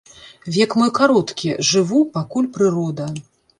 Век мой кароткі, жыву, пакуль прырода.